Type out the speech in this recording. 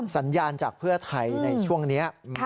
สัญญาณจากเพื่อไทยในช่วงนี้